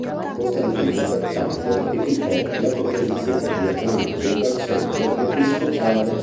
Costantino pertanto ratificò la deposizione di Atanasio dal seggio episcopale.